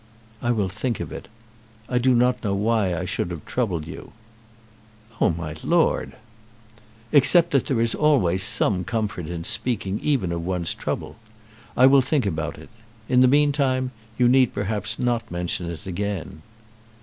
"I will think of it. I do not know why I should have troubled you." "Oh, my lord!" "Except that there is always some comfort in speaking even of one's trouble. I will think about it. In the meantime you need perhaps not mention it again."